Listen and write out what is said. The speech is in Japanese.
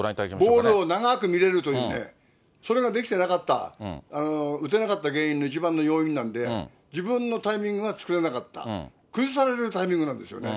ボールを長く見れるというね、それができてなかった、打てなかった原因の一番の要因なんで、自分のタイミングが作れなかった、崩されるタイミングなんですよね。